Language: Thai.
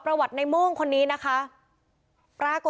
สวัสดีครับ